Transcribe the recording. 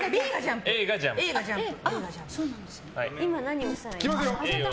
Ａがジャンプ。